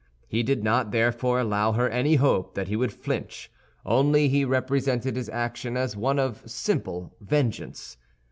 He did not therefore allow her any hope that he would flinch; only he represented his action as one of simple vengeance.